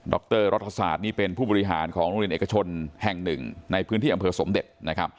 รรัฐศาสตร์นี่เป็นผู้บริหารของโรงเรียนเอกชนแห่งหนึ่งในพื้นที่อำเภอสมเด็จนะครับ